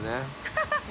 ハハハ